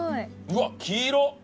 うわっ黄色！